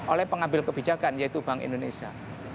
oleh pengambil kebijakan yaitu bank indonesia